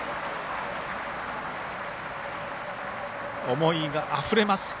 思いあふれます。